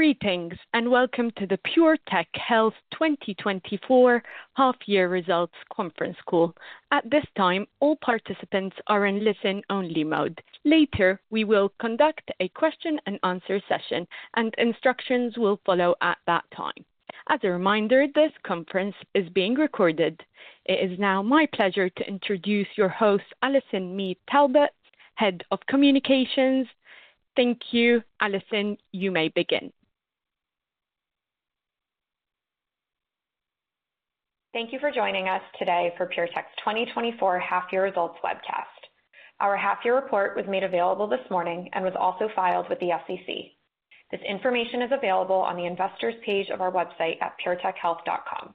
Greetings, and welcome to the PureTech Health 2024 half year results conference call. At this time, all participants are in listen-only mode. Later, we will conduct a question and answer session, and instructions will follow at that time. As a reminder, this conference is being recorded. It is now my pleasure to introduce your host, Allison Mead Talbot, Head of Communications. Thank you, Allison. You may begin. Thank you for joining us today for PureTech's twenty twenty-four half year results webcast. Our half year report was made available this morning and was also filed with the SEC. This information is available on the investors page of our website at puretechhealth.com.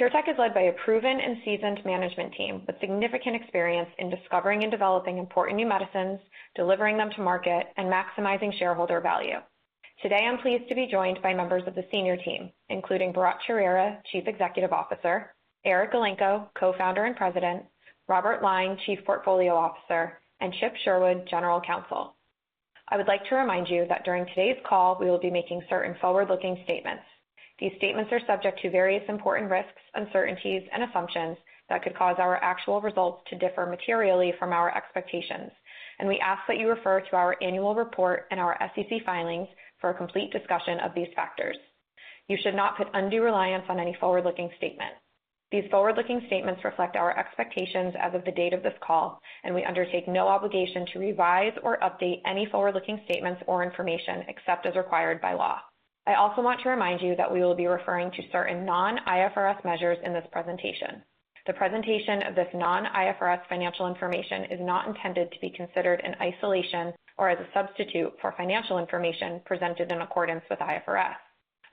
PureTech is led by a proven and seasoned management team with significant experience in discovering and developing important new medicines, delivering them to market, and maximizing shareholder value. Today, I'm pleased to be joined by members of the senior team, including Bharatt Chowrira, Chief Executive Officer, Eric Elenko, Co-founder and President, Robert Lyne, Chief Portfolio Officer, and Chip Sherwood, General Counsel. I would like to remind you that during today's call, we will be making certain forward-looking statements. These statements are subject to various important risks, uncertainties, and assumptions that could cause our actual results to differ materially from our expectations, and we ask that you refer to our annual report and our SEC filings for a complete discussion of these factors. You should not put undue reliance on any forward-looking statement. These forward-looking statements reflect our expectations as of the date of this call, and we undertake no obligation to revise or update any forward-looking statements or information except as required by law. I also want to remind you that we will be referring to certain non-IFRS measures in this presentation. The presentation of this non-IFRS financial information is not intended to be considered in isolation or as a substitute for financial information presented in accordance with IFRS.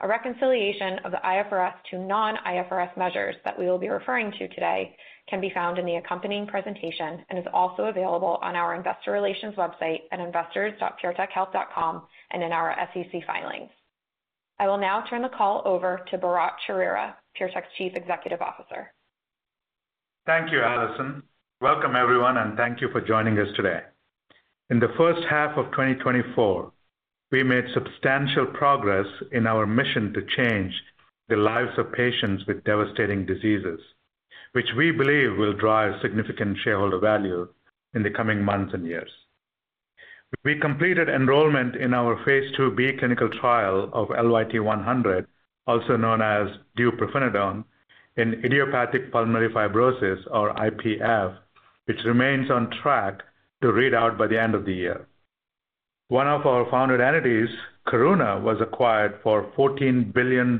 A reconciliation of the IFRS to non-IFRS measures that we will be referring to today can be found in the accompanying presentation and is also available on our investor relations website at investors.puretechhealth.com and in our SEC filings. I will now turn the call over to Bharatt Chowrira, PureTech's Chief Executive Officer. Thank you, Allison. Welcome, everyone, and thank you for joining us today. In the first half of 2024, we made substantial progress in our mission to change the lives of patients with devastating diseases, which we believe will drive significant shareholder value in the coming months and years. We completed enrollment in our phase 2b clinical trial of LYT-100, also known as Deupirfenidone, in idiopathic pulmonary fibrosis or IPF, which remains on track to read out by the end of the year. One of our founded entities, Karuna, was acquired for $14 billion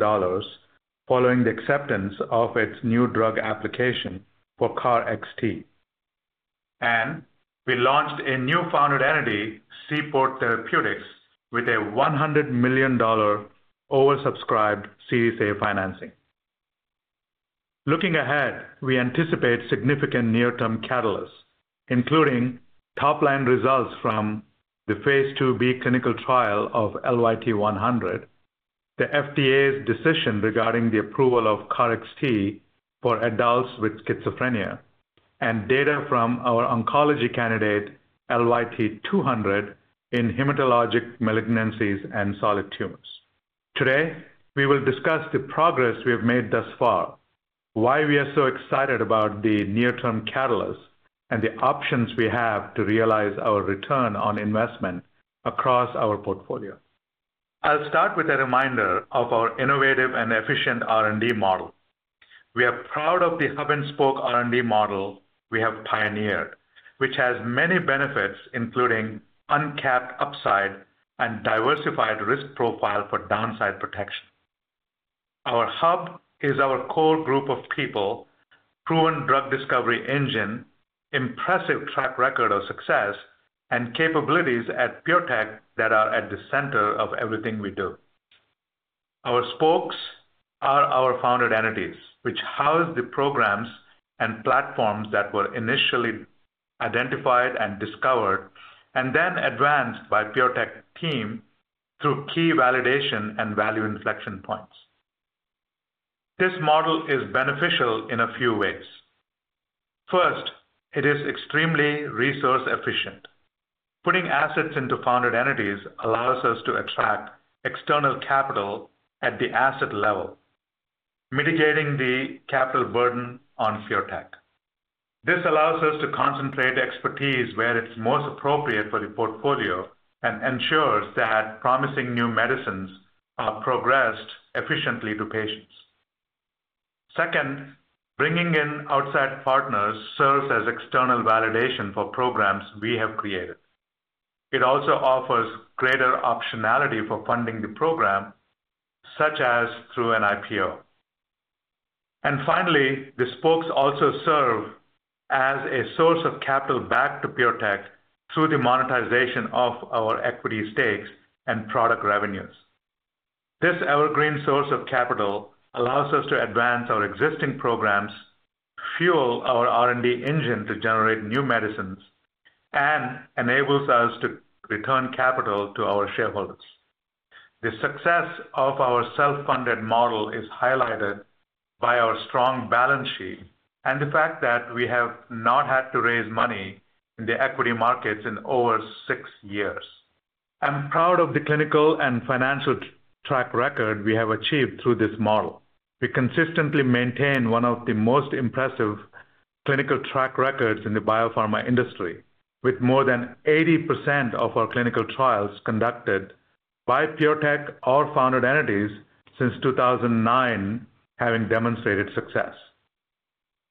following the acceptance of its new drug application for KarXT, and we launched a new founded entity, Seaport Therapeutics, with a $100 million oversubscribed Series A financing. Looking ahead, we anticipate significant near-term catalysts, including top-line results from the phase 2b clinical trial of LYT-100, the FDA's decision regarding the approval of KarXT for adults with schizophrenia, and data from our oncology candidate, LYT-200, in hematologic malignancies and solid tumors. Today, we will discuss the progress we have made thus far, why we are so excited about the near-term catalysts, and the options we have to realize our return on investment across our portfolio. I'll start with a reminder of our innovative and efficient R&D model. We are proud of the hub-and-spoke R&D model we have pioneered, which has many benefits, including uncapped upside and diversified risk profile for downside protection. Our hub is our core group of people, proven drug discovery engine, impressive track record of success, and capabilities at PureTech that are at the center of everything we do. Our spokes are our founded entities, which house the programs and platforms that were initially identified and discovered, and then advanced by PureTech team through key validation and value inflection points. This model is beneficial in a few ways. First, it is extremely resource efficient. Putting assets into founded entities allows us to attract external capital at the asset level, mitigating the capital burden on PureTech. This allows us to concentrate expertise where it's most appropriate for the portfolio and ensures that promising new medicines are progressed efficiently to patients. Second, bringing in outside partners serves as external validation for programs we have created. It also offers greater optionality for funding the program, such as through an IPO. And finally, the spokes also serve as a source of capital back to PureTech through the monetization of our equity stakes and product revenues. This evergreen source of capital allows us to advance our existing programs, fuel our R&D engine to generate new medicines, and enables us to return capital to our shareholders. The success of our self-funded model is highlighted by our strong balance sheet and the fact that we have not had to raise money in the equity markets in over six years. I'm proud of the clinical and financial track record we have achieved through this model. We consistently maintain one of the most impressive clinical track records in the biopharma industry, with more than 80% of our clinical trials conducted by PureTech or founded entities since 2009, having demonstrated success.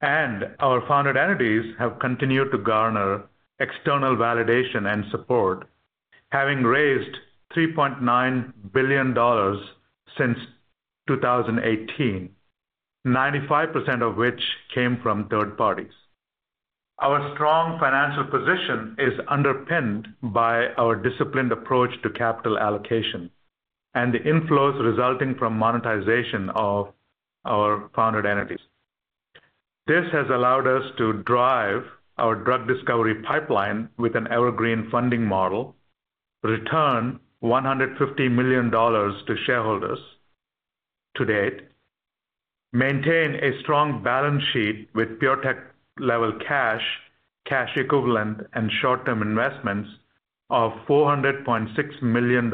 And our founded entities have continued to garner external validation and support, having raised $3.9 billion since 2018, 95% of which came from third parties. Our strong financial position is underpinned by our disciplined approach to capital allocation and the inflows resulting from monetization of our founded entities. This has allowed us to drive our drug discovery pipeline with an evergreen funding model, return $150 million to shareholders to date, maintain a strong balance sheet with PureTech level cash, cash equivalent, and short-term investments of $400.6 million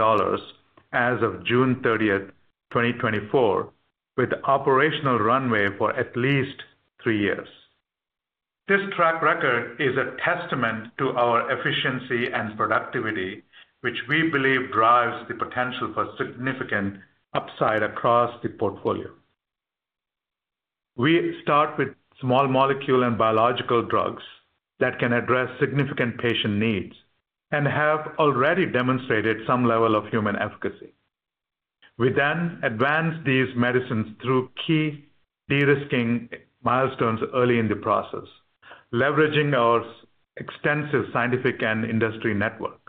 as of June 30th, 2024 with operational runway for at least three years. This track record is a testament to our efficiency and productivity, which we believe drives the potential for significant upside across the portfolio. We start with small molecule and biological drugs that can address significant patient needs and have already demonstrated some level of human efficacy. We then advance these medicines through key de-risking milestones early in the process, leveraging our extensive scientific and industry network.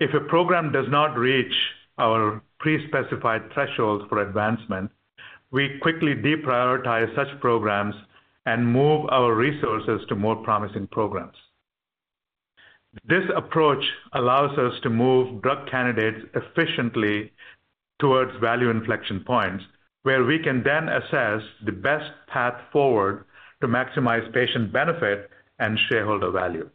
If a program does not reach our pre-specified thresholds for advancement, we quickly deprioritize such programs and move our resources to more promising programs. This approach allows us to move drug candidates efficiently towards value inflection points, where we can then assess the best path forward to maximize patient benefit and shareholder value.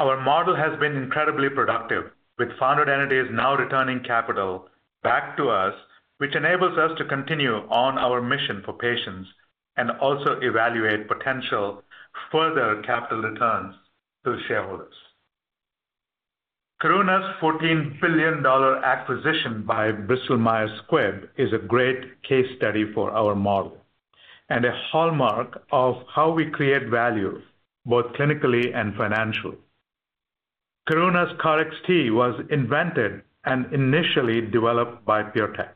Our model has been incredibly productive, with founded entities now returning capital back to us, which enables us to continue on our mission for patients and also evaluate potential further capital returns to shareholders. Karuna's $14 billion acquisition by Bristol Myers Squibb is a great case study for our model, and a hallmark of how we create value, both clinically and financially. Karuna's KarXT was invented and initially developed by PureTech.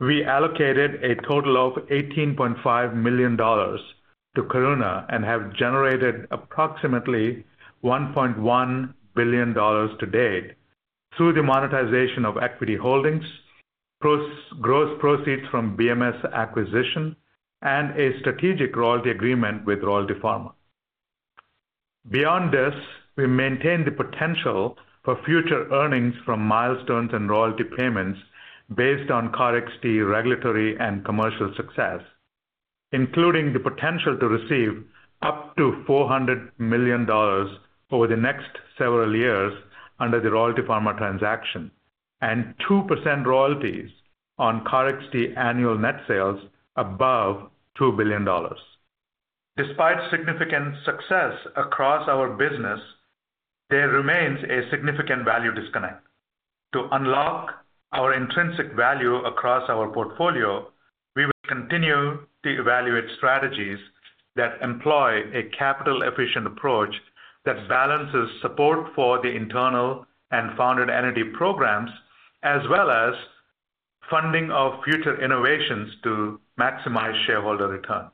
We allocated a total of $18.5 million to Karuna and have generated approximately $1.1 billion to date through the monetization of equity holdings, gross proceeds from BMS acquisition, and a strategic royalty agreement with Royalty Pharma. Beyond this, we maintain the potential for future earnings from milestones and royalty payments based on KarXT regulatory and commercial success, including the potential to receive up to $400 million over the next several years under the Royalty Pharma transaction, and 2% royalties on KarXT annual net sales above $2 billion. Despite significant success across our business, there remains a significant value disconnect. To unlock our intrinsic value across our portfolio, we will continue to evaluate strategies that employ a capital-efficient approach that balances support for the internal and founded entity programs, as well as funding of future innovations to maximize shareholder returns.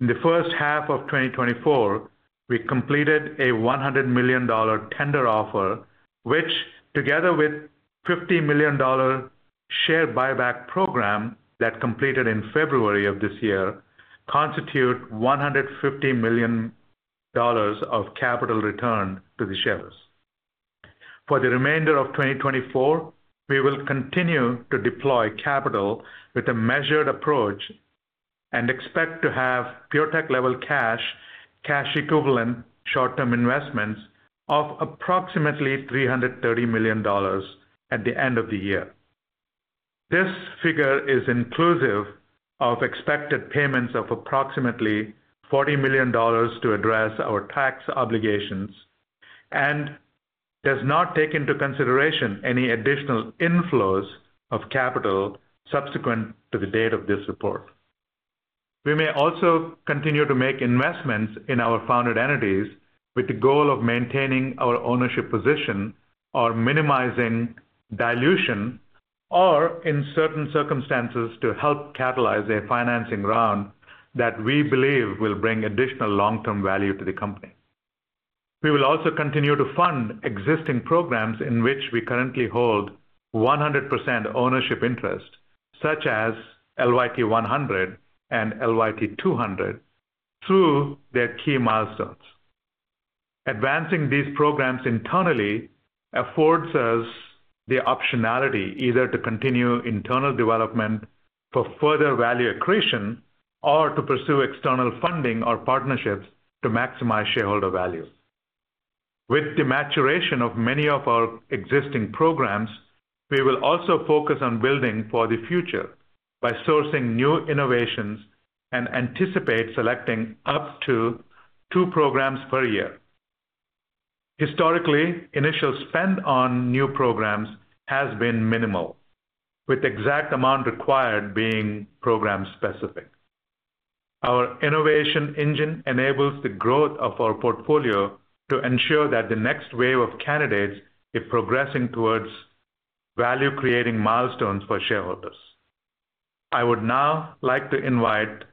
In the first half of 2024, we completed a $100 million tender offer, which, together with $50 million share buyback program that completed in February of this year, constitute $150 million of capital return to the shareholders. For the remainder of 2024, we will continue to deploy capital with a measured approach and expect to have PureTech-level cash, cash equivalents, short-term investments of approximately $330 million at the end of the year. This figure is inclusive of expected payments of approximately $40 million to address our tax obligations, and does not take into consideration any additional inflows of capital subsequent to the date of this report. We may also continue to make investments in our founded entities with the goal of maintaining our ownership position or minimizing dilution, or in certain circumstances, to help catalyze a financing round that we believe will bring additional long-term value to the company. We will also continue to fund existing programs in which we currently hold 100% ownership interest, such as LYT-100 and LYT-200, through their key milestones.... Advancing these programs internally affords us the optionality either to continue internal development for further value accretion or to pursue external funding or partnerships to maximize shareholder value. With the maturation of many of our existing programs, we will also focus on building for the future by sourcing new innovations and anticipate selecting up to two programs per year. Historically, initial spend on new programs has been minimal, with the exact amount required being program-specific. Our innovation engine enables the growth of our portfolio to ensure that the next wave of candidates is progressing towards value-creating milestones for shareholders. I would now like to invite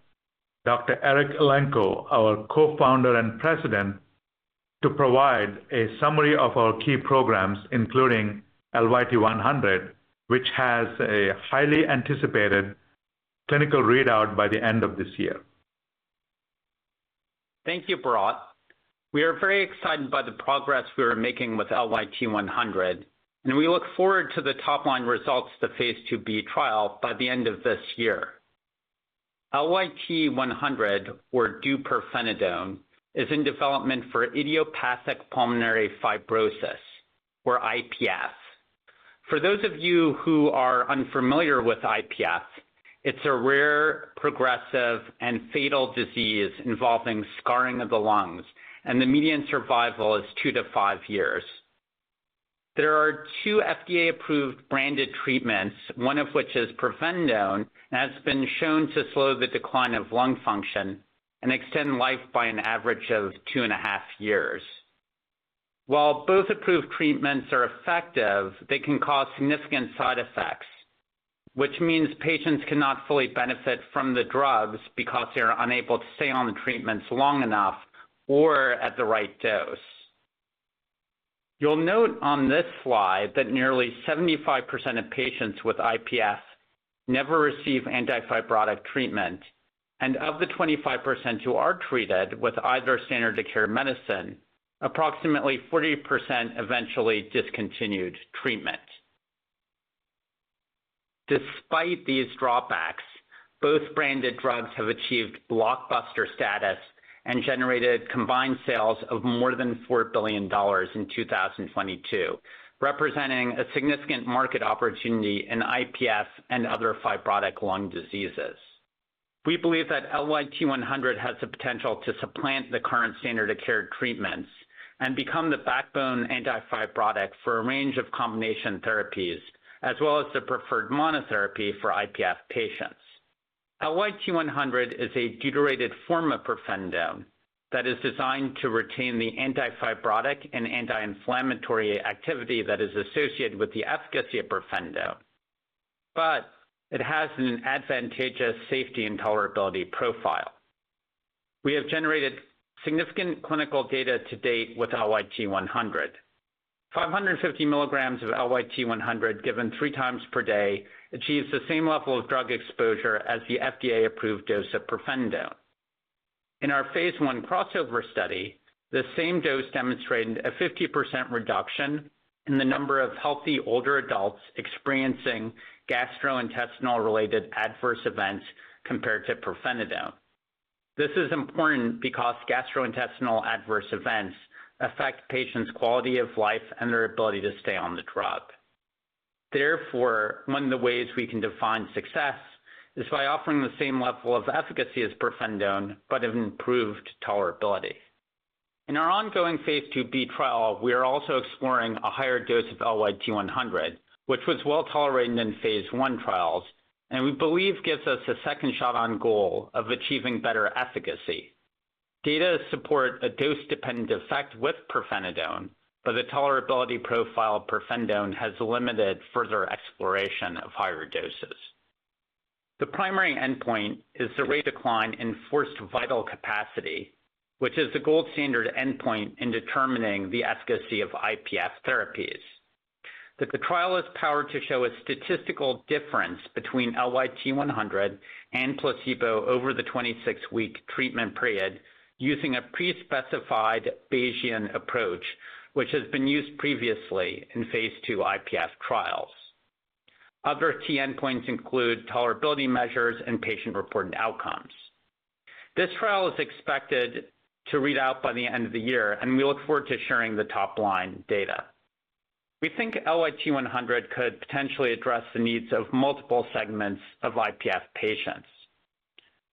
Dr. Eric Elenko, our co-founder and president, to provide a summary of our key programs, including LYT-100, which has a highly anticipated clinical readout by the end of this year. Thank you, Bharatt. We are very excited by the progress we are making with LYT-100, and we look forward to the top-line results of the phase 2b trial by the end of this year. LYT-100, or Deupirfenidone, is in development for idiopathic pulmonary fibrosis, or IPF. For those of you who are unfamiliar with IPF, it's a rare, progressive, and fatal disease involving scarring of the lungs, and the median survival is two to five years. There are two FDA-approved branded treatments, one of which is pirfenidone, and has been shown to slow the decline of lung function and extend life by an average of two and a half years. While both approved treatments are effective, they can cause significant side effects, which means patients cannot fully benefit from the drugs because they are unable to stay on the treatments long enough or at the right dose. You'll note on this slide that nearly 75% of patients with IPF never receive anti-fibrotic treatment, and of the 25% who are treated with either standard of care medicine, approximately 40% eventually discontinued treatment. Despite these drawbacks, both branded drugs have achieved blockbuster status and generated combined sales of more than $4 billion in 2022, representing a significant market opportunity in IPF and other fibrotic lung diseases. We believe that LYT-100 has the potential to supplant the current standard of care treatments and become the backbone anti-fibrotic for a range of combination therapies, as well as the preferred monotherapy for IPF patients. LYT-100 is a deuterated form of pirfenidone that is designed to retain the anti-fibrotic and anti-inflammatory activity that is associated with the efficacy of pirfenidone, but it has an advantageous safety and tolerability profile. We have generated significant clinical data to date with LYT-100. 550 milligrams of LYT-100, given three times per day, achieves the same level of drug exposure as the FDA-approved dose of pirfenidone. In our phase 1 crossover study, the same dose demonstrated a 50% reduction in the number of healthy older adults experiencing gastrointestinal-related adverse events compared to pirfenidone. This is important because gastrointestinal adverse events affect patients' quality of life and their ability to stay on the drug. Therefore, one of the ways we can define success is by offering the same level of efficacy as pirfenidone, but have improved tolerability. In our ongoing phase 2b trial, we are also exploring a higher dose of LYT-100, which was well tolerated in phase 1 trials and we believe gives us a second shot on goal of achieving better efficacy. Data support a dose-dependent effect with pirfenidone, but the tolerability profile of pirfenidone has limited further exploration of higher doses. The primary endpoint is the rate decline in forced vital capacity, which is the gold standard endpoint in determining the efficacy of IPF therapies. The trial is powered to show a statistical difference between LYT-100 and placebo over the 26-week treatment period, using a pre-specified Bayesian approach, which has been used previously in phase 2 IPF trials. Other key endpoints include tolerability measures and patient-reported outcomes. This trial is expected to read out by the end of the year, and we look forward to sharing the top-line data. We think LYT-100 could potentially address the needs of multiple segments of IPF patients.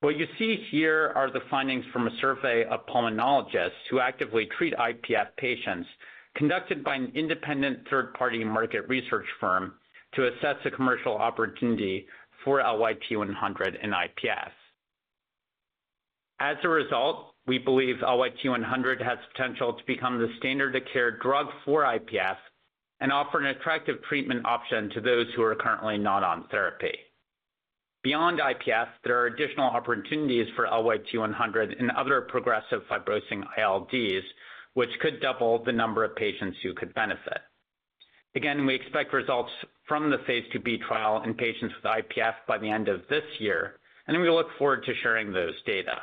What you see here are the findings from a survey of pulmonologists who actively treat IPF patients, conducted by an independent third-party market research firm, to assess the commercial opportunity for LYT-100 in IPF. As a result, we believe LYT-100 has potential to become the standard of care drug for IPF and offer an attractive treatment option to those who are currently not on therapy. Beyond IPF, there are additional opportunities for LYT-100 in other progressive fibrosing ILDs, which could double the number of patients who could benefit. Again, we expect results from the phase 2b trial in patients with IPF by the end of this year, and we look forward to sharing those data.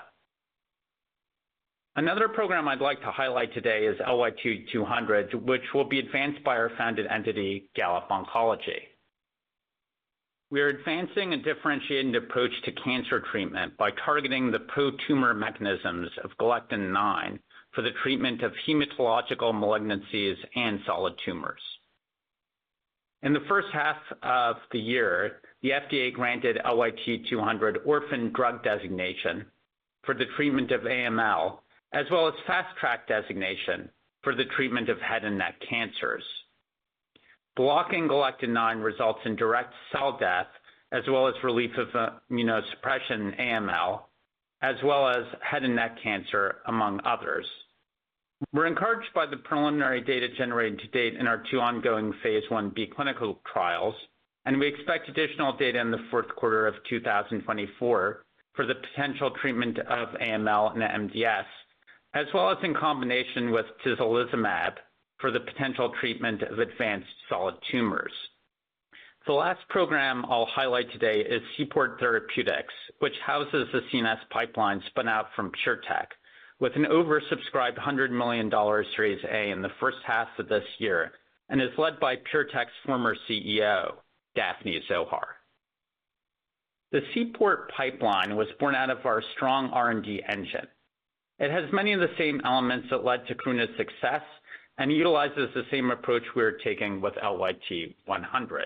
Another program I'd like to highlight today is LYT-200, which will be advanced by our founded entity, Gallop Oncology. We are advancing a differentiated approach to cancer treatment by targeting the pro-tumor mechanisms of galectin-9 for the treatment of hematologic malignancies and solid tumors. In the first half of the year, the FDA granted LYT-200 orphan drug designation for the treatment of AML, as well as fast-track designation for the treatment of head and neck cancers. Blocking galectin-9 results in direct cell death, as well as relief of immunosuppression in AML, as well as head and neck cancer, among others. We're encouraged by the preliminary data generated to date in our two ongoing phase 1b clinical trials, and we expect additional data in the Q4 of 2024 for the potential treatment of AML and MDS, as well as in combination with tislelizumab for the potential treatment of advanced solid tumors. The last program I'll highlight today is Seaport Therapeutics, which houses the CNS pipeline spun out from PureTech, with an oversubscribed $100 million Series A in the first half of this year, and is led by PureTech's former CEO, Daphne Zohar. The Seaport pipeline was born out of our strong R&D engine. It has many of the same elements that led to Karuna's success and utilizes the same approach we are taking with LYT-100.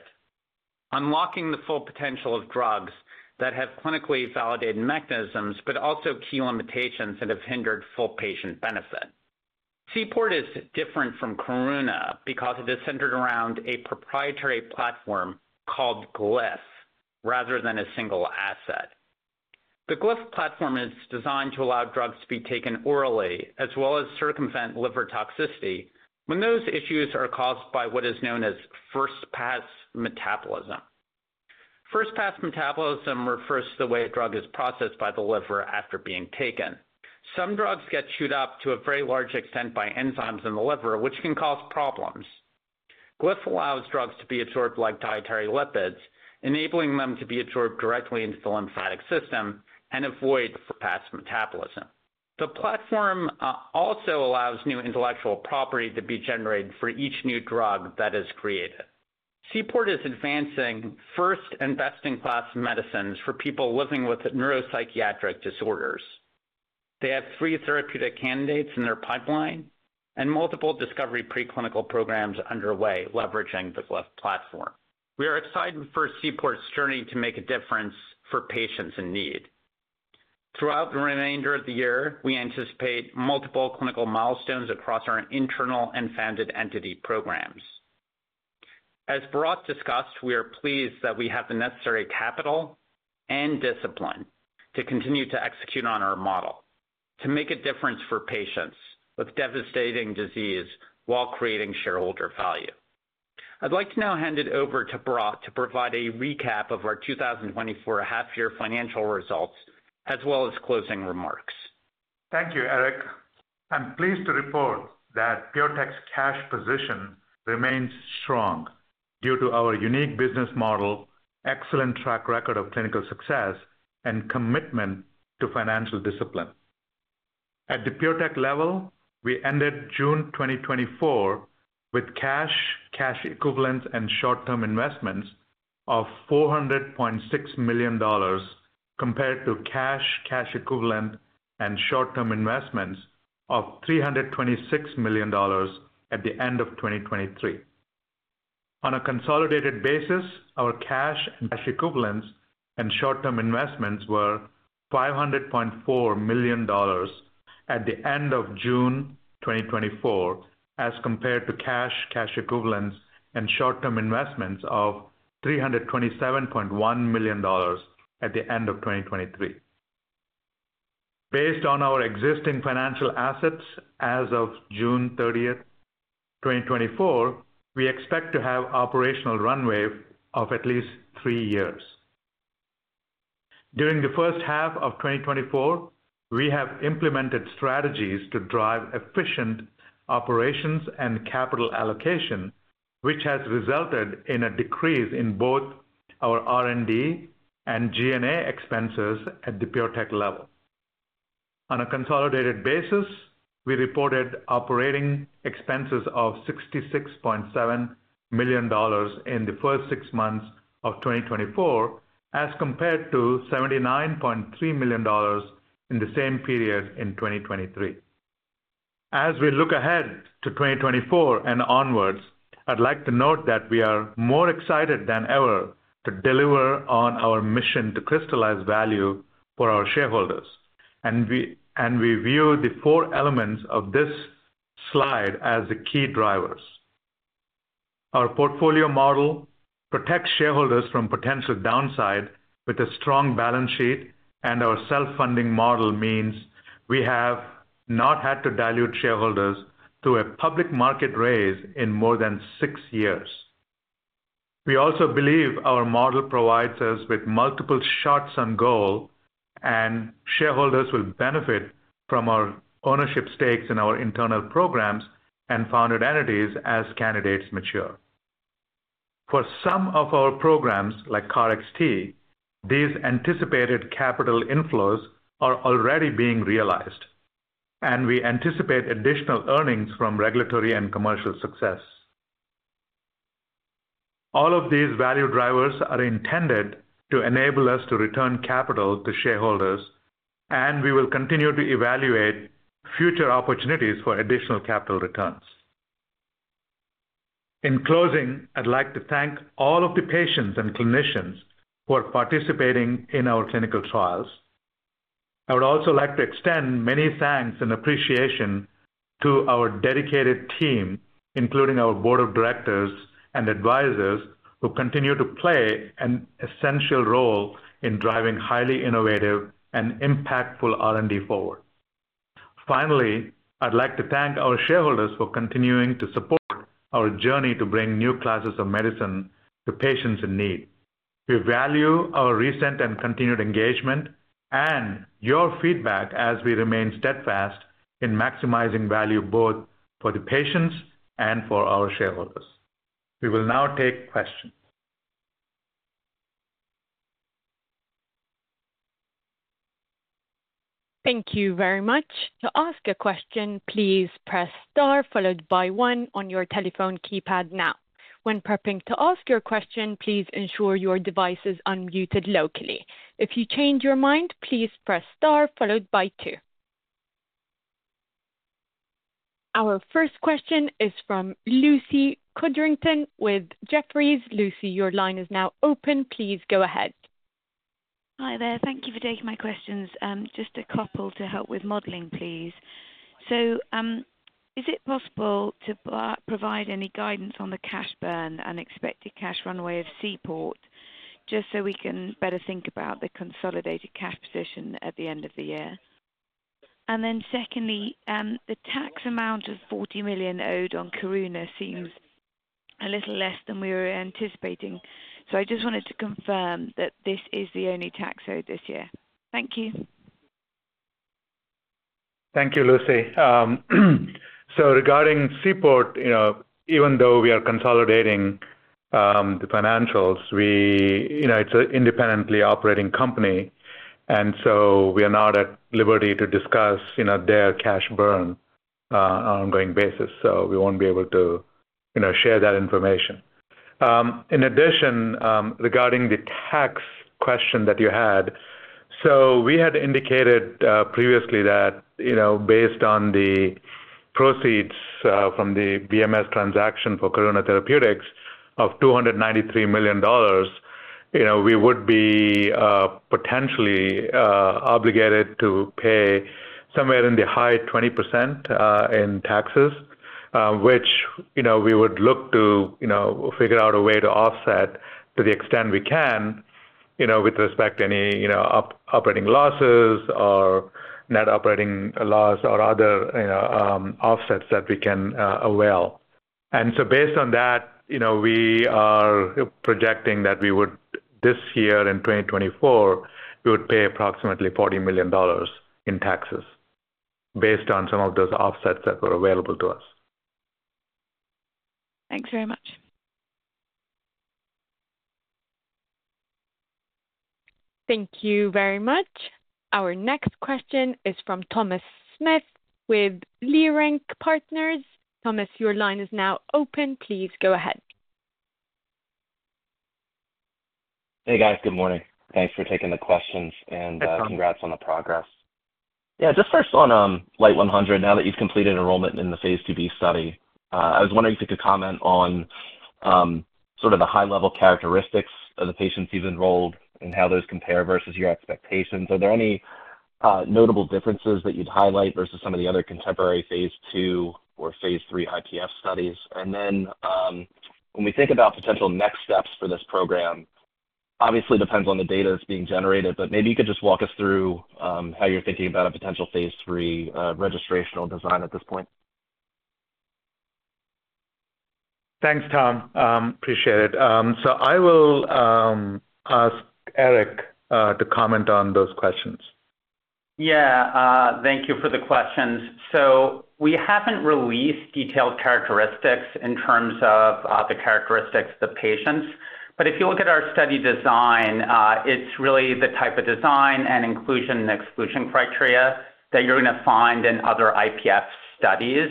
Unlocking the full potential of drugs that have clinically validated mechanisms, but also key limitations that have hindered full patient benefit. Seaport is different from Karuna because it is centered around a proprietary platform called Glyph, rather than a single asset. The Glyph platform is designed to allow drugs to be taken orally, as well as circumvent liver toxicity, when those issues are caused by what is known as first pass metabolism. First pass metabolism refers to the way a drug is processed by the liver after being taken. Some drugs get chewed up to a very large extent by enzymes in the liver, which can cause problems. Glyph allows drugs to be absorbed like dietary lipids, enabling them to be absorbed directly into the lymphatic system and avoid the first pass metabolism. The platform also allows new intellectual property to be generated for each new drug that is created. Seaport is advancing first and best-in-class medicines for people living with neuropsychiatric disorders. They have three therapeutic candidates in their pipeline and multiple discovery preclinical programs underway, leveraging the Glyph platform. We are excited for Seaport's journey to make a difference for patients in need. Throughout the remainder of the year, we anticipate multiple clinical milestones across our internal and founded entity programs. As Bharatt discussed, we are pleased that we have the necessary capital and discipline to continue to execute on our model, to make a difference for patients with devastating disease while creating shareholder value. I'd like to now hand it over to Bharatt to provide a recap of our two thousand and twenty-four half-year financial results, as well as closing remarks. Thank you, Eric. I'm pleased to report that PureTech's cash position remains strong due to our unique business model, excellent track record of clinical success, and commitment to financial discipline. At the PureTech level, we ended June 2024 with cash, cash equivalents, and short-term investments of $400.6 million, compared to cash, cash equivalents, and short-term investments of $326 million at the end of 2023. On a consolidated basis, our cash and cash equivalents and short-term investments were $500.4 million at the end of June 2024, as compared to cash, cash equivalents, and short-term investments of $327.1 million at the end of 2023. Based on our existing financial assets as of June 30th, 2024, we expect to have operational runway of at least three years. During the first half of 2024, we have implemented strategies to drive efficient operations and capital allocation, which has resulted in a decrease in both our R&D and G&A expenses at the PureTech level. On a consolidated basis, we reported operating expenses of $66.7 million in the first six months of 2024, as compared to $79.3 million in the same period in 2023. As we look ahead to 2024 and onwards, I'd like to note that we are more excited than ever to deliver on our mission to crystallize value for our shareholders, and we view the four elements of this slide as the key drivers. Our portfolio model protects shareholders from potential downside with a strong balance sheet, and our self-funding model means we have not had to dilute shareholders through a public market raise in more than six years. We also believe our model provides us with multiple shots on goal, and shareholders will benefit from our ownership stakes in our internal programs and founded entities as candidates mature. For some of our programs, like KarXT, these anticipated capital inflows are already being realized, and we anticipate additional earnings from regulatory and commercial success. All of these value drivers are intended to enable us to return capital to shareholders, and we will continue to evaluate future opportunities for additional capital returns. In closing, I'd like to thank all of the patients and clinicians who are participating in our clinical trials. I would also like to extend many thanks and appreciation to our dedicated team, including our board of directors and advisors, who continue to play an essential role in driving highly innovative and impactful R&D forward. Finally, I'd like to thank our shareholders for continuing to support our journey to bring new classes of medicine to patients in need. We value our recent and continued engagement and your feedback as we remain steadfast in maximizing value both for the patients and for our shareholders. We will now take questions. Thank you very much. To ask a question, please press star followed by one on your telephone keypad now. When prepping to ask your question, please ensure your device is unmuted locally. If you change your mind, please press star followed by two. Our first question is from Lucy Codrington with Jefferies. Lucy, your line is now open. Please go ahead. Hi there. Thank you for taking my questions. Just a couple to help with modeling, please. So, is it possible to provide any guidance on the cash burn and expected cash runway of Seaport? Just so we can better think about the consolidated cash position at the end of the year. And then secondly, the tax amount of $40 million owed on Karuna seems a little less than we were anticipating. So I just wanted to confirm that this is the only tax owed this year. Thank you. Thank you, Lucy. So regarding Seaport, you know, even though we are consolidating the financials, you know, it's an independently operating company, and so we are not at liberty to discuss, you know, their cash burn on an ongoing basis, so we won't be able to, you know, share that information. In addition, regarding the tax question that you had, we had indicated previously that, you know, based on the proceeds from the BMS transaction for Karuna Therapeutics of $293 million, you know, we would be potentially obligated to pay somewhere in the high 20% in taxes. Which, you know, we would look to, you know, figure out a way to offset to the extent we can, you know, with respect to any, you know, operating losses or net operating loss or other, you know, offsets that we can avail. And so based on that, you know, we are projecting that we would. This year in 2024, we would pay approximately $40 million in taxes based on some of those offsets that were available to us. Thanks very much. Thank you very much. Our next question is from Thomas Smith with Leerink Partners. Thomas, your line is now open. Please go ahead. Hey, guys. Good morning. Thanks for taking the questions- Hi, Tom. Congrats on the progress. Yeah, just first on LYT-100, now that you've completed enrollment in the phase 2b study, I was wondering if you could comment on sort of the high-level characteristics of the patients you've enrolled and how those compare versus your expectations. Are there any notable differences that you'd highlight versus some of the other contemporary phase 2 or phase 3 IPF studies? And then, when we think about potential next steps for this program, obviously it depends on the data that's being generated, but maybe you could just walk us through how you're thinking about a potential phase 3 registrational design at this point. Thanks, Tom. Appreciate it. So I will ask Eric to comment on those questions. Yeah, thank you for the questions. So we haven't released detailed characteristics in terms of, the characteristics of the patients. But if you look at our study design, it's really the type of design and inclusion and exclusion criteria that you're going to find in other IPF studies.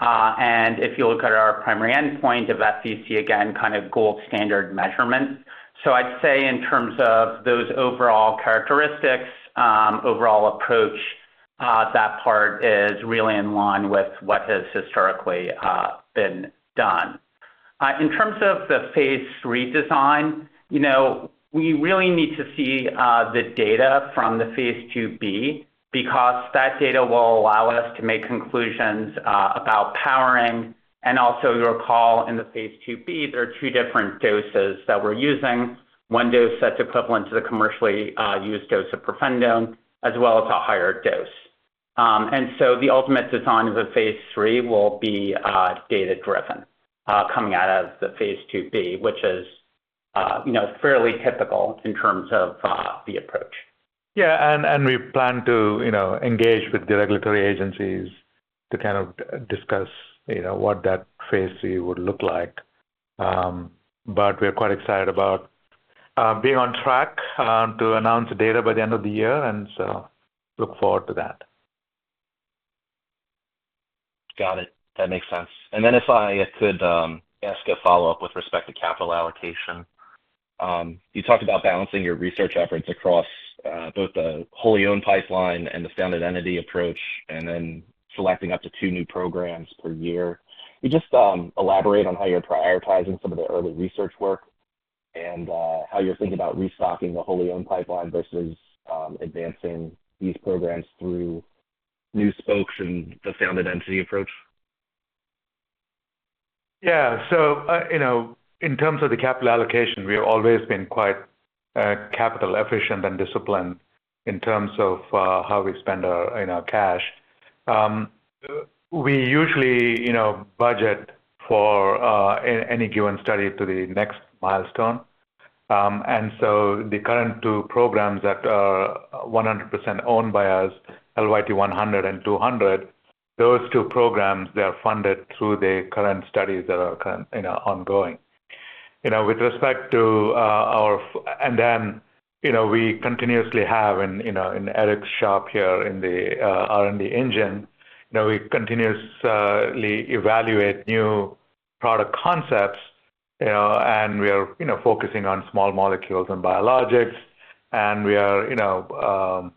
And if you look at our primary endpoint of FVC, again, kind of gold standard measurement. So I'd say in terms of those overall characteristics, overall approach, that part is really in line with what has historically, been done. In terms of the phase 3 design, you know, we really need to see, the data from the phase 2b, because that data will allow us to make conclusions, about powering. And also, you'll recall in the phase 2b, there are two different doses that we're using. One dose that's equivalent to the commercially used dose of pirfenidone, as well as a higher dose and so the ultimate design of the phase 3 will be data driven, coming out of the phase 2b, which is, you know, fairly typical in terms of the approach. Yeah, and we plan to, you know, engage with the regulatory agencies to kind of discuss, you know, what that phase 3 would look like. But we are quite excited about being on track to announce the data by the end of the year, and so look forward to that. Got it. That makes sense. And then if I could ask a follow-up with respect to capital allocation. You talked about balancing your research efforts across both the wholly owned pipeline and the founded entity approach, and then selecting up to two new programs per year. Can you just elaborate on how you're prioritizing some of the early research work and how you're thinking about restocking the wholly owned pipeline versus advancing these programs through new spokes and the founded entity approach? Yeah. So, you know, in terms of the capital allocation, we have always been quite capital efficient and disciplined in terms of how we spend our, you know, cash. We usually, you know, budget for any given study to the next milestone, and so the current two programs that are 100% owned by us, LYT-100 and LYT-200, those two programs, they are funded through the current studies that are current, you know, ongoing. You know, with respect to our... And then, you know, we continuously have in, you know, in Eric's shop here in the, R&D engine, you know, we continuously evaluate new product concepts, you know, and we are, you know, focusing on small molecules and biologics, and we are, you know,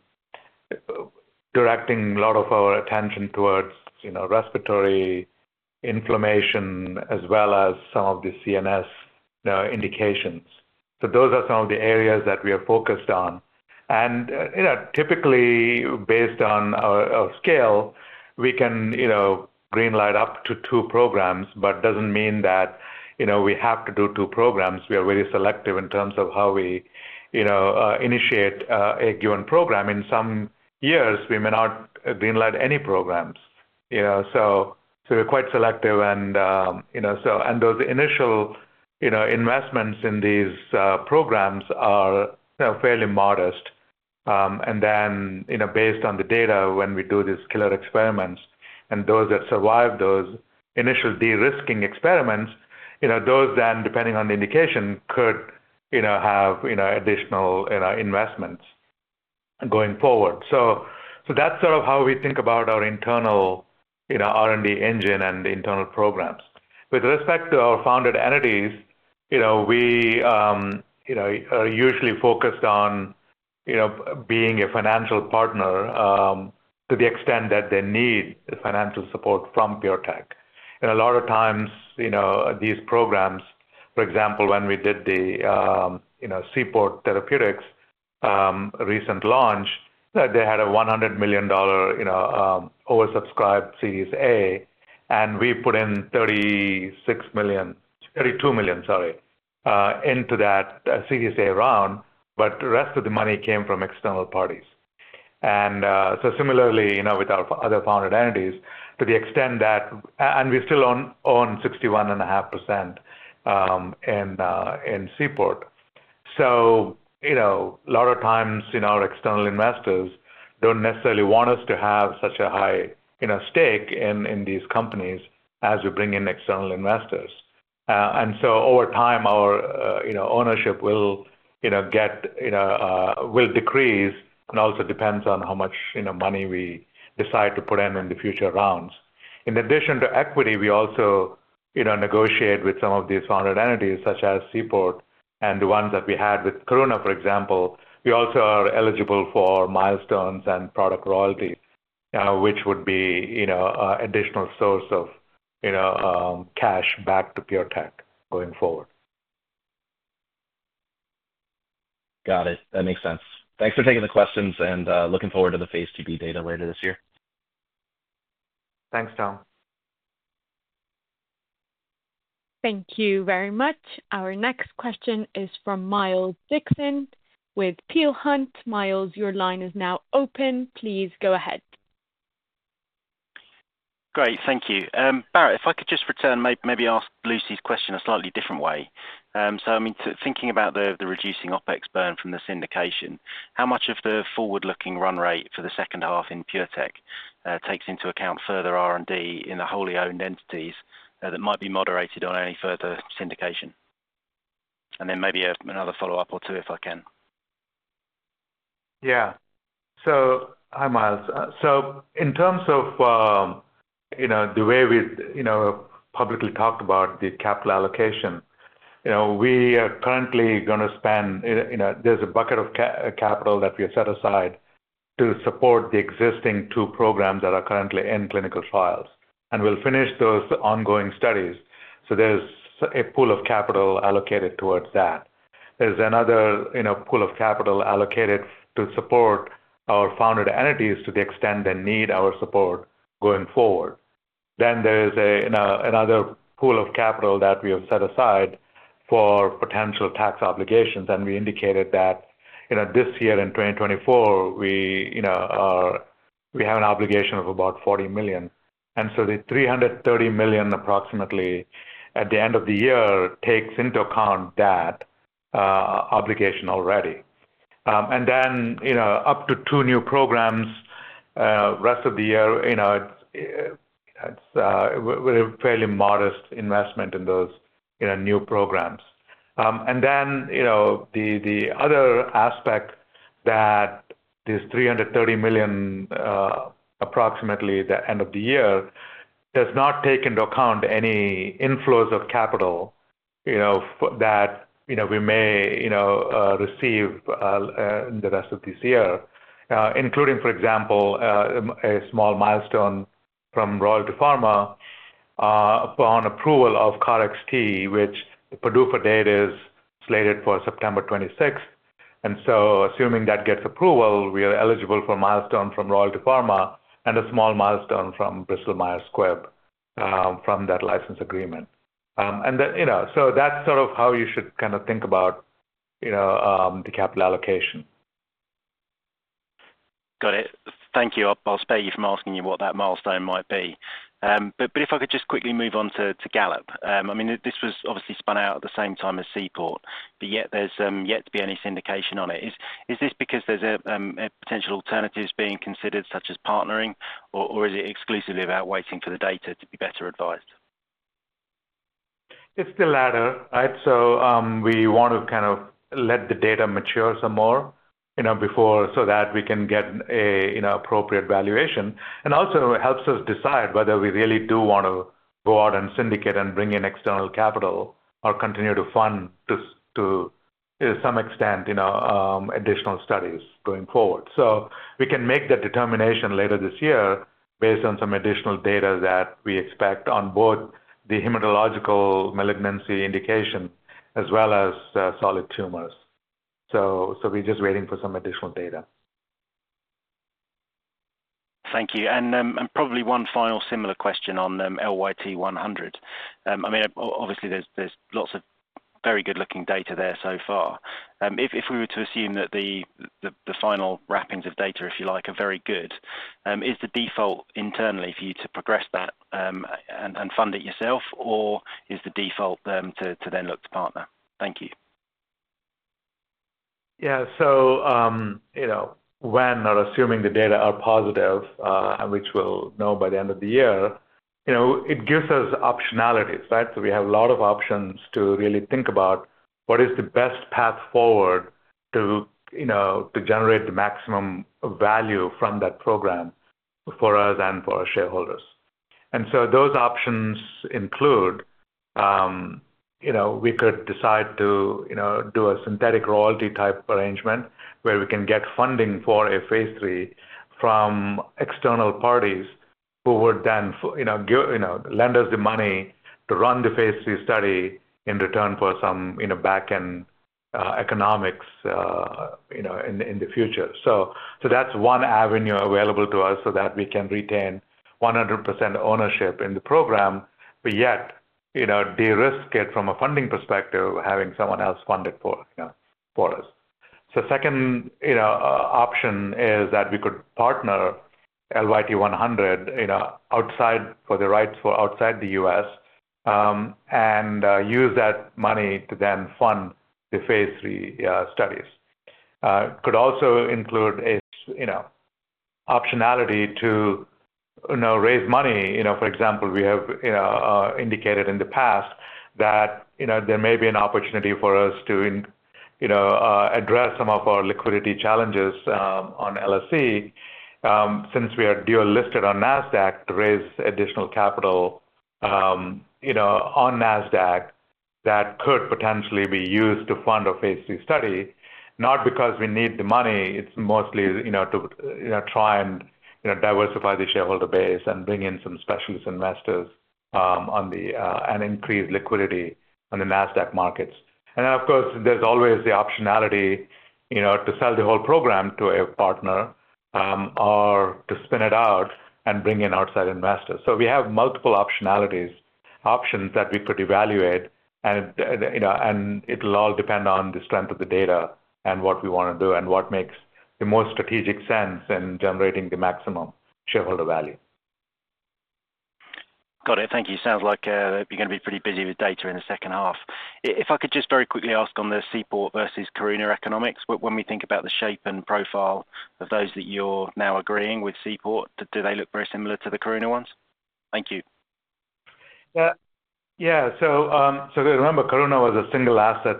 directing a lot of our attention towards, you know, respiratory inflammation as well as some of the CNS, indications. So those are some of the areas that we are focused on. And, you know, typically, based on our scale, we can, you know, green light up to two programs, but doesn't mean that, you know, we have to do two programs. We are very selective in terms of how we, you know, initiate, a given program. In some years, we may not green light any programs, you know. We're quite selective and, you know, so and those initial, you know, investments in these programs are, you know, fairly modest, and then, you know, based on the data, when we do these killer experiments and those that survive those initial de-risking experiments, you know, those then, depending on the indication, could, you know, have, you know, additional, you know, investments going forward. That's sort of how we think about our internal, you know, R&D engine and the internal programs. With respect to our founded entities, you know, we, you know, are usually focused on, you know, being a financial partner, to the extent that they need the financial support from PureTech. And a lot of times, you know, these programs, for example, when we did the you know, Seaport Therapeutics recent launch, that they had a $100 million you know, oversubscribed Series A, and we put in $36 million, $32 million, sorry, into that Series A round, but the rest of the money came from external parties. And so similarly, you know, with our other founded entities, to the extent that and we still own 61.5% in Seaport. So, you know, a lot of times, you know, our external investors don't necessarily want us to have such a high you know, stake in these companies as we bring in external investors. And so over time, our you know, ownership will you know, get you know, will decrease and also depends on how much you know, money we decide to put in, in the future rounds. In addition to equity, we also you know, negotiate with some of these founded entities, such as Seaport and the ones that we had with Karuna, for example. We also are eligible for milestones and product royalties, which would be you know, additional source of you know, cash back to PureTech going forward. Got it. That makes sense. Thanks for taking the questions, and looking forward to the phase 2b data later this year. Thanks, Tom. Thank you very much. Our next question is from Miles Dixon with Peel Hunt. Miles, your line is now open. Please go ahead. Great. Thank you. Bharatt, if I could just return, maybe ask Lucy's question a slightly different way. So, I mean, thinking about the reducing OpEx burn from the syndication, how much of the forward-looking run rate for the second half in PureTech takes into account further R&D in the wholly owned entities that might be moderated on any further syndication? And then maybe another follow-up or two, if I can. Yeah. So, hi, Miles. So in terms of, you know, the way we, you know, publicly talked about the capital allocation, you know, we are currently gonna spend, you know, there's a bucket of capital that we have set aside to support the existing two programs that are currently in clinical trials, and we'll finish those ongoing studies. So there's a pool of capital allocated towards that. There's another, you know, pool of capital allocated to support our founded entities to the extent they need our support going forward. Then there is a, another pool of capital that we have set aside for potential tax obligations, and we indicated that, you know, this year in twenty twenty-four, we, you know, we have an obligation of about forty million. And so the $330 million approximately at the end of the year takes into account that obligation already. And then, you know, up to two new programs rest of the year, you know, it's with a fairly modest investment in those, in new programs. And then, you know, the other aspect that this $330 million approximately the end of the year does not take into account any inflows of capital, you know, for that, you know, we may, you know, receive in the rest of this year, including, for example, a small milestone from Royalty Pharma upon approval of KarXT, which the PDUFA date is slated for September 26th. Assuming that gets approval, we are eligible for a milestone from Royalty Pharma and a small milestone from Bristol Myers Squibb from that license agreement. You know, so that's sort of how you should kind of think about, you know, the capital allocation. Got it. Thank you. I'll spare you from asking you what that milestone might be. But if I could just quickly move on to Gallop. I mean, this was obviously spun out at the same time as Seaport, but there's yet to be any syndication on it. Is this because there's potential alternatives being considered, such as partnering, or is it exclusively about waiting for the data to be better advised? It's the latter, right? So we want to kind of let the data mature some more, you know, before. So that we can get a, you know, appropriate valuation. And also it helps us decide whether we really do want to go out and syndicate and bring in external capital, or continue to fund to some extent, you know, additional studies going forward. So we can make that determination later this year based on some additional data that we expect on both the hematological malignancy indication as well as solid tumors. So we're just waiting for some additional data. Thank you. Probably one final similar question on the LYT-100. I mean, obviously, there's lots of very good-looking data there so far. If we were to assume that the final wrappings of data, if you like, are very good, is the default internally for you to progress that and fund it yourself, or is the default then to look to partner? Thank you. Yeah. So, you know, when or assuming the data are positive, which we'll know by the end of the year, you know, it gives us optionality, right? So we have a lot of options to really think about what is the best path forward to, you know, to generate the maximum value from that program for us and for our shareholders. And so those options include, you know, we could decide to, you know, do a synthetic royalty-type arrangement where we can get funding for a phase three from external parties who would then, you know, give, you know, lend us the money to run the phase three study in return for some, you know, back-end economics, you know, in the future. So that's one avenue available to us so that we can retain 100% ownership in the program, but yet, you know, de-risk it from a funding perspective, having someone else fund it for, you know, for us. Second, you know, option is that we could partner LYT-100, you know, outside for the rights for outside the US, and use that money to then fund the phase 3 studies. Could also include a, you know, optionality to, you know, raise money. You know, for example, we have, you know, indicated in the past that, you know, there may be an opportunity for us to, you know, address some of our liquidity challenges, on LSE, since we are dual listed on NASDAQ to raise additional capital, you know, on NASDAQ, that could potentially be used to fund a phase three study, not because we need the money. It's mostly, you know, to, you know, try and, you know, diversify the shareholder base and bring in some specialist investors, on the, and increase liquidity on the NASDAQ markets. And of course, there's always the optionality, you know, to sell the whole program to a partner, or to spin it out and bring in outside investors. So we have multiple optionality, options that we could evaluate, and, you know, and it'll all depend on the strength of the data and what we want to do and what makes the most strategic sense in generating the maximum shareholder value. Got it. Thank you. Sounds like, you're gonna be pretty busy with data in the second half. If I could just very quickly ask on the Seaport versus Karuna economics, when we think about the shape and profile of those that you're now agreeing with Seaport, do they look very similar to the Karuna ones? Thank you. Yeah. Yeah. So, remember, Karuna was a single asset,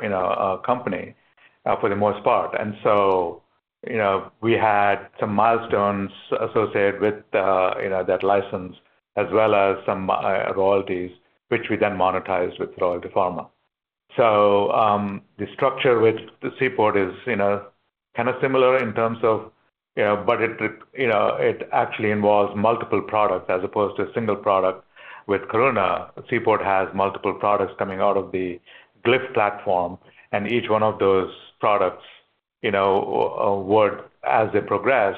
you know, company, for the most part. And so, you know, we had some milestones associated with, you know, that license as well as some royalties, which we then monetized with Royalty Pharma. So, the structure with the Seaport is, you know, kind of similar in terms of, you know, but it, you know, it actually involves multiple products as opposed to a single product. With Karuna, Seaport has multiple products coming out of the Glyph platform, and each one of those products, you know, would, as they progress,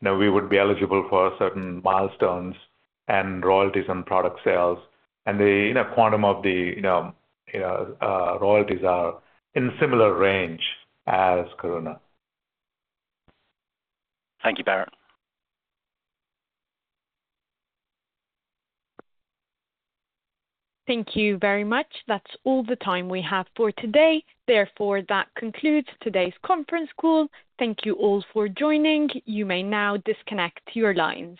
you know, we would be eligible for certain milestones and royalties on product sales. And the, you know, quantum of the, you know, royalties are in similar range as Karuna. Thank you, Bharat. Thank you very much. That's all the time we have for today. Therefore, that concludes today's conference call. Thank you all for joining. You may now disconnect your lines.